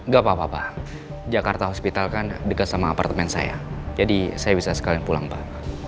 gak apa apa jakarta hospital kan dekat sama apartemen saya jadi saya bisa sekalian pulang pak